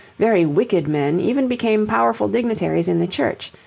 Very wicked men even became powerful dignitaries in the Church.